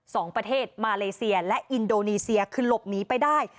สองประเทศมาเลเซียและอินโดนีเซียคือหลบหนีไปได้